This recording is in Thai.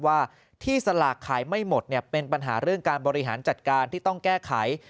ว่าที่สลากขายไม่หมดเป็นปัญหาเรื่องการบริหารจัดการที่ต้องแก้ไข